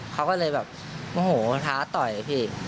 เขาก็เลยแบบโมโหท้าต่อยพี่